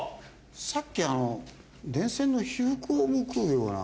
さっきあの電線の被覆をむくような。